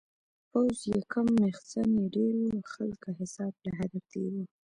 پوځ یې کم میخزن یې ډیر و-خلکه حساب له حده تېر و